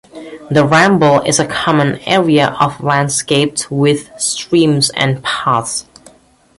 The Ramble is a common area of landscaped with streams and paths.